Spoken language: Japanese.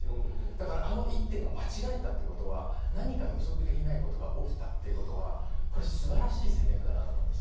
だから、あの１手が間違えたってことは、何か予測できないことが起きたということは、素晴らしい戦略だなと思います。